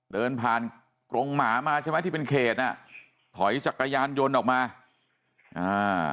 เดินผ่านกรงหมามาใช่ไหมที่เป็นเขตน่ะถอยจักรยานยนต์ออกมาอ่า